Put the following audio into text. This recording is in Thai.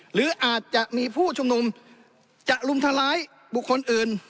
หรืออาจจะมีผู้ชุมนุมจะรุมทำร้ายบุคคลอื่น